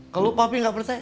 kalau mami gak percaya